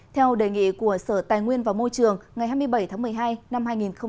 theo đề nghị của sở tài nguyên và môi trường ngày hai mươi bảy tháng một mươi hai năm hai nghìn một mươi chín